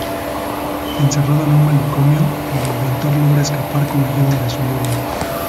Encerrado en un manicomio, el inventor logra escapar con la ayuda de su novia.